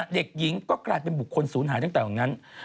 เด็กหญิงก็กลายเป็นบุคคลศูนย์หายตั้งแต่วันนั้น